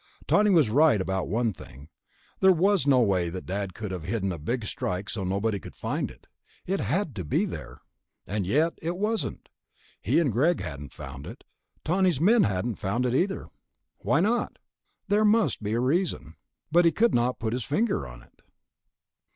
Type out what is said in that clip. Tawney was right about one thing ... there was no way that Dad could have hidden a Big Strike so nobody could find it. It had to be there.... And yet it wasn't. He and Greg hadn't found it. Tawney's men hadn't found it, either. Why not? There must be a reason. But he could not put his finger on it.